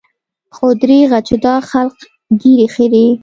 خو درېغه چې دا خلق ږيرې خريي.